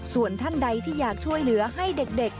ส่วนท่านใดที่อยากช่วยเหลือให้เด็ก